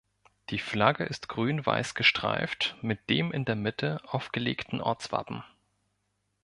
Die Flagge ist Grün-Weiß gestreift mit dem in der Mitte aufgelegten Ortswappen.